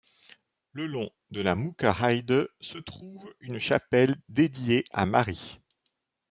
Le long de la Mookerheide se trouve une chapelle dédiée à Marie.